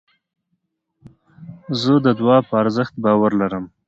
زه د دؤعا په ارزښت باور لرم.